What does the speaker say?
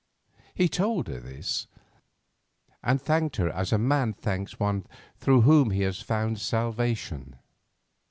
He told her this, and thanked her as a man thanks one through whom he has found salvation.